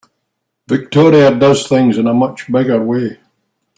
Victoria does things in a much bigger way.